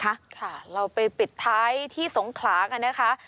ค่ะเราไปปิดท้ายที่สงขลากันนะคะ